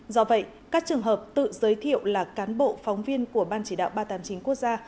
do vậy các trường hợp tự giới thiệu là cán bộ phóng viên của ban chỉ đạo ba trăm tám mươi chín quốc gia